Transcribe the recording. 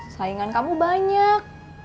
saingan kamu banyak